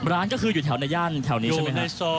ร้านก็คืออยู่แถวในย่านแถวนี้ใช่ไหมครับ